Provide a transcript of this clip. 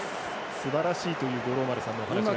「すばらしい」という五郎丸さんのお話がありますが。